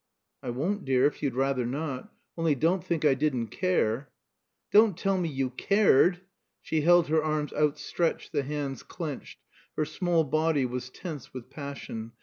"I won't, dear, if you'd rather not. Only don't think I didn't care." "Don't tell me you cared!" She held her arms outstretched, the hands clenched. Her small body was tense with passion.